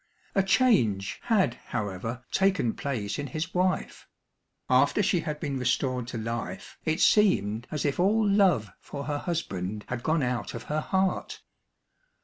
A change had, however, taken place in his wife; after she had been restored to life, it seemed as if all love for her husband had gone out of her heart.